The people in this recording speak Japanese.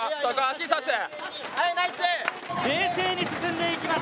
冷静に進んでいきます。